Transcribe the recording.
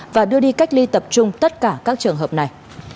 và đưa đi cách ly tập trung tất cả các trường hợp này